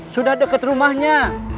sudah deket rumahnya